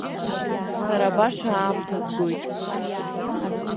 Сара баша аамҭа згоит.